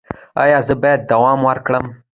ایا زه باید دوام ورکړم؟